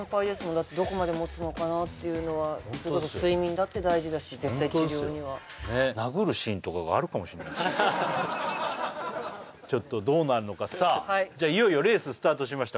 だってどこまで持つのかなっていうのは睡眠だって大事だし絶対治療にはちょっとどうなるのかさあいよいよレーススタートしました